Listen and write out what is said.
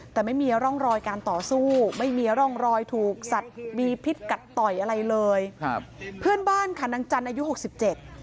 แต่ไม่มีร่องรอยการต่อสู้ไม่มีร่องรอยถูกสัตว์มีพิษกัดต่อยอะไรเลยครับเพื่อนบ้านค่ะนางจันทร์อายุหกสิบเจ็ด